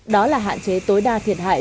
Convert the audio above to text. đó là hạn chế tối đa thiệt hại